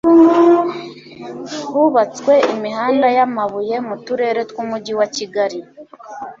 hubatswe imihanda y' amabuye mu turere tw'umujyi wa kigali